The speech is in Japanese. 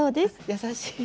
優しい。